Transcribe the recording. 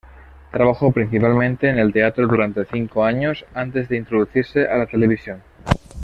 Trabajó, principalmente, en el teatro durante cinco años antes de introducirse a la televisión.